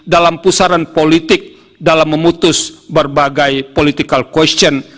dalam pusaran politik dalam memutus berbagai political question